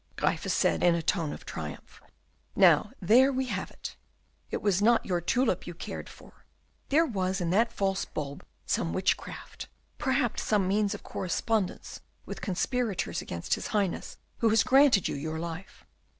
Gryphus said, in a tone of triumph; "now there we have it. It was not your tulip you cared for. There was in that false bulb some witchcraft, perhaps some means of correspondence with conspirators against his Highness who has granted you your life.